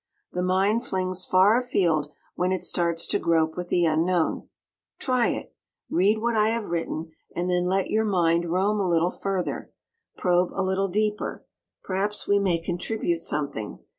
The mind flings far afield when it starts to grope with the Unknown. Try it! Read what I have written and then let your mind roam a little further. Probe a little deeper. Perhaps we may contribute something.